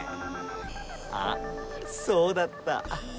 あっそうだった。